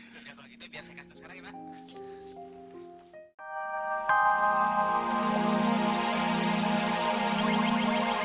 ya udah kalau gitu biar saya kasih tau sekarang ya pak